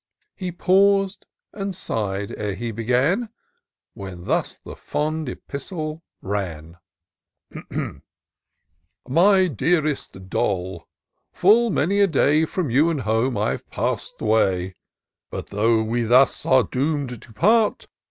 He paus'd and sigh'd ere he began. When thus the fond epistle ran: —" My dearest Doll, — Full many a day From you and home I've been away ; But, though we thus are doom'd to part.